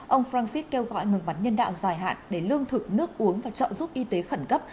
ông francis kêu gọi ngừng bắn nhân đạo dài hạn để lương thực nước uống và trợ giúp y tế khẩn cấp